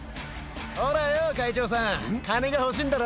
ほらよ、会長さん、金が欲しいんだろ。